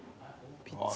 ピッツァ。